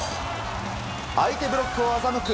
相手ブロックをあざむく